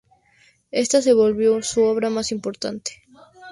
Esta se volvió su obra más importante.